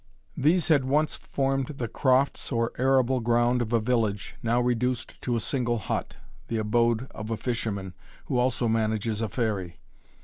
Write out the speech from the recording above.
These had once formed the crofts or arable ground of a village, now reduced to a single hut, the abode of a fisherman, who also manages a ferry.